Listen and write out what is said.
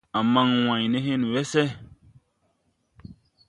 A man wāy ne hen wese de sun.